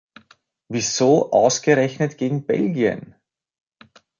Wieso ausgerechnet gegen Belgien?